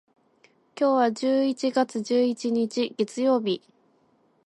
今日は十一月十一日、月曜日。